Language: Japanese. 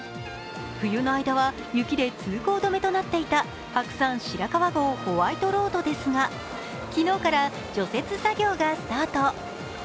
冬の間は雪で通行止めとなっていた白山白川郷ホワイトロードですが昨日から除雪作業がスタート。